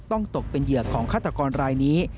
ตกเป็นเหยื่อของฆาตกรรายนี้